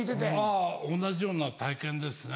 あ同じような体験ですね。